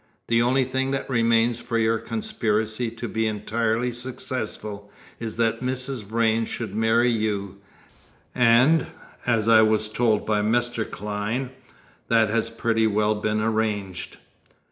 The only thing that remains for your conspiracy to be entirely successful is that Mrs. Vrain should marry you; and as I was told by Mr. Clyne that has pretty well been arranged."